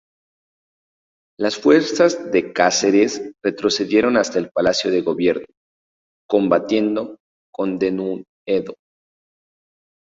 Las fuerzas de Cáceres retrocedieron hasta el Palacio de Gobierno, combatiendo con denuedo.